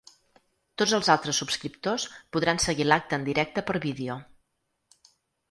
Tots els altres subscriptors podran seguir l’acte en directe per vídeo.